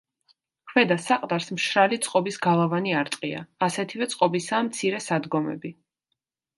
ქვედა საყდარს მშრალი წყობის გალავანი არტყია, ასეთივე წყობისაა მცირე სადგომები.